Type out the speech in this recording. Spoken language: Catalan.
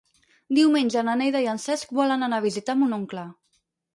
Diumenge na Neida i en Cesc volen anar a visitar mon oncle.